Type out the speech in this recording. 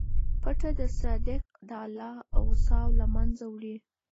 پټه صدقه د اللهﷻ غصه له منځه وړي.